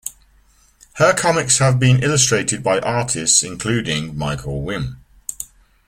Her comics have been illustrated by artists including Michael Wm.